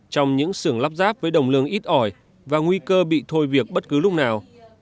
trong những xưởng lắp ráp với đồng lương ít ỏi và nguy cơ bị thôi việc bất cứ lúc nào